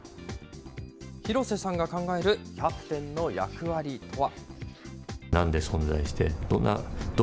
廣瀬さんが考えるキャプテンの役割とは。